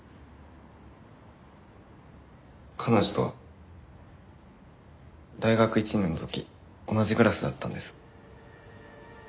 彼女とは大学１年の時同じクラスだったんです。